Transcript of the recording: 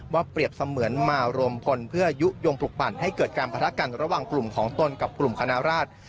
เปรียบเสมือนมารวมพลเพื่อยุโยงปลุกปั่นให้เกิดการประทะกันระหว่างกลุ่มของตนกับกลุ่มคณะราช